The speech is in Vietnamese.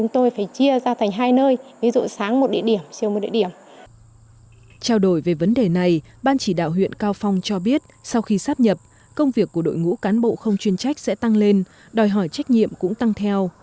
trao đổi về vấn đề này ban chỉ đạo huyện cao phong cho biết sau khi sắp nhập công việc của đội ngũ cán bộ không chuyên trách sẽ tăng lên đòi hỏi trách nhiệm cũng tăng theo